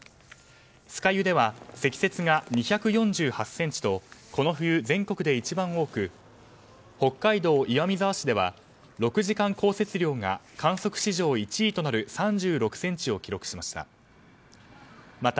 酸ヶ湯では積雪が２４８ｃｍとこの冬、全国で一番多く北海道岩見沢市では６時間降雪量が観測史上１位となる３６ｃｍを記録しました。